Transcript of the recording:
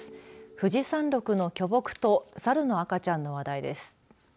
富士山麓の巨木と猿の赤ちゃんの話題です。